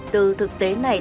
từ thực tế này